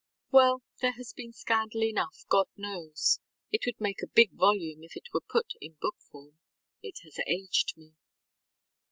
ŌĆ£Well, there has been scandal enough, God knows. It would make a big volume if put in book form. It has aged me.